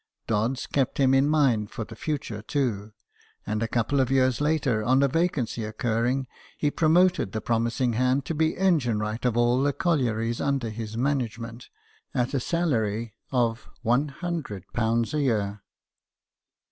Dodds kept him in mind for the future, too ; and a couple of years later, on a vacancy occurring, he promoted the promising hand to be engine wright of all the collieries under his management, at a salary of ^100 a year.